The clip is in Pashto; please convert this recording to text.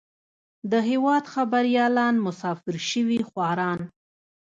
د هېواد خبريالان مسافر سوي خواران.